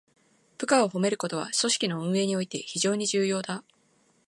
部下を褒めることは、組織の運営において非常に重要だ。